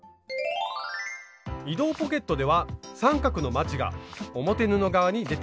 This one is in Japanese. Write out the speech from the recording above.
移動ポケットでは三角のまちが表布側に出ています。